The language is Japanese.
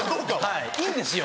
いいんですよ